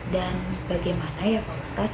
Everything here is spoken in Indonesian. dan bagaimana ya pak ustadz